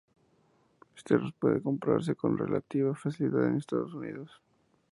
Este arroz puede comprase con relativa facilidad en Estados Unidos.